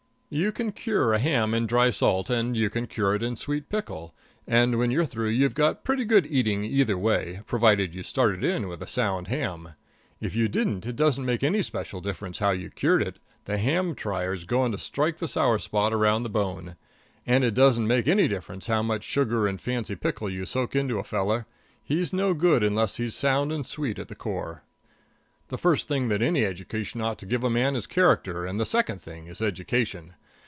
You can cure a ham in dry salt and you can cure it in sweet pickle, and when you're through you've got pretty good eating either way, provided you started in with a sound ham. If you didn't, it doesn't make any special difference how you cured it the ham tryer's going to strike the sour spot around the bone. And it doesn't make any difference how much sugar and fancy pickle you soak into a fellow, he's no good unless he's sound and sweet at the core. The first thing that any education ought to give a man is character, and the second thing is education.